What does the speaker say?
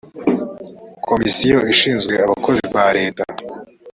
komisiyo ishinzwe abakozi ba leta